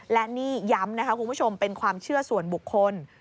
และนี่ย้ำนะคะคุณผู้ชมเป็นความเชื่อส่วนบุคคล